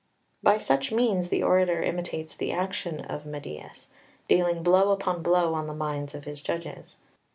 By such means the orator imitates the action of Meidias, dealing blow upon blow on the minds of his judges.